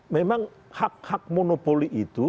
memang hak hak monopoli itu